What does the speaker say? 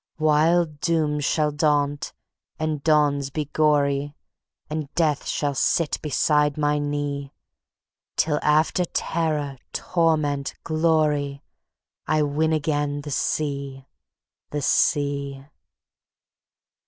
Wild dooms shall daunt, and dawns be gory, And Death shall sit beside my knee; Till after terror, torment, glory, I win again the sea, the sea.